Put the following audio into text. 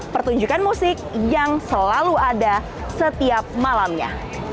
pertunjukan musik yang selalu ada setiap malamnya